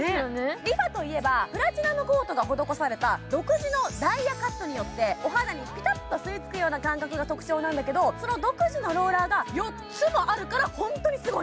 リファといえばプラチナのコートが施された独自のダイヤモンドカットによってお肌にぴたっと吸いつくような感覚が特徴なんだけどこの独自のローラーが４つもあるから本当にすごい。